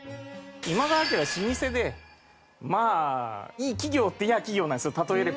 今川家は老舗でまあいい企業って言やあ企業なんですよ例えれば。